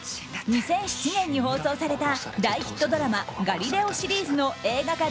２００７年に放送された大ヒットドラマ「ガリレオ」シリーズの映画化